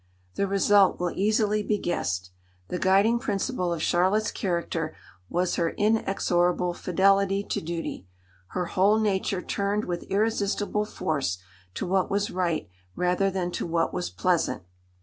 The result will easily be guessed. The guiding principle of Charlotte's character was her inexorable fidelity to duty; her whole nature turned with irresistible force to what was right rather than to what was pleasant.